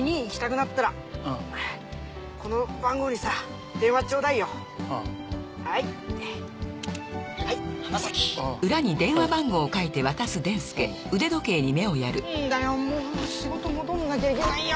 なんだよもう仕事戻んなきゃいけないよ。